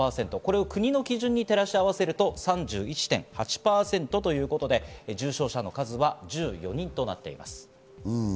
国の基準に照らし合わせると、３１．８％ということで重症者の数は１４人となっています。